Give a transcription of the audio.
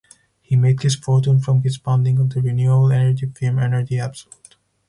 He made his fortune from his founding of the renewable energy firm Energy Absolute.